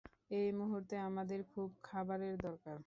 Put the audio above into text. এই মুহূর্তে আমাদের খুব খাবারের দরকার।